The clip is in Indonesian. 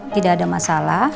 tidak ada masalah